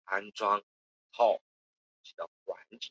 二分短蜂介为半花介科短蜂介属下的一个种。